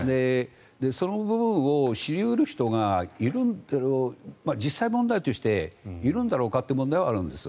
その部分を知り得る人がいる実際問題としているんだろうかという問題はあるんです。